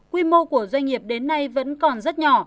quy mô của doanh nghiệp đến nay vẫn còn rất nhỏ